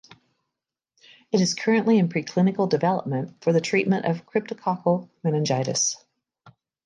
It is currently in preclinical development for the treatment of cryptococcal meningitis.